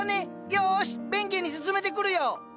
よし弁慶に薦めてくるよ！